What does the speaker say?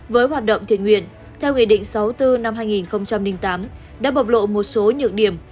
với hoạt động thiện nguyện theo nghị định sáu mươi bốn năm hai nghìn tám đã bộc lộ một số nhược điểm